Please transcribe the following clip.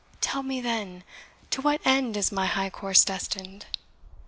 Tell me, then, to what end is my high course destined?